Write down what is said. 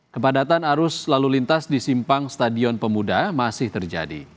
kepadatan arus lalu lintas di simpang stadion pemuda masih terjadi